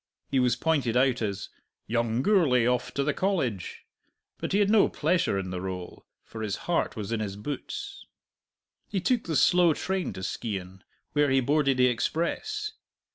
He was pointed out as "Young Gourlay off to the College." But he had no pleasure in the rôle, for his heart was in his boots. He took the slow train to Skeighan, where he boarded the express.